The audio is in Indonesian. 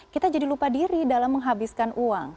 kita jadi lupa diri dalam menghabiskan uang